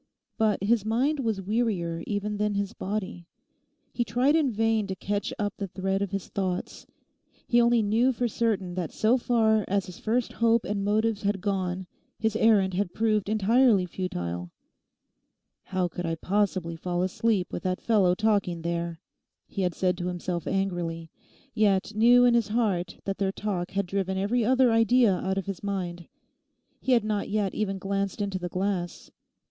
But his mind was wearier even than his body. He tried in vain to catch up the thread of his thoughts. He only knew for certain that so far as his first hope and motives had gone his errand had proved entirely futile. 'How could I possibly fall asleep with that fellow talking there?' he had said to himself angrily; yet knew in his heart that their talk had driven every other idea out of his mind. He had not yet even glanced into the glass.